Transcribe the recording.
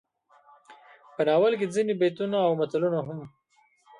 په ناول کې ځينې بيتونه او متلونه هم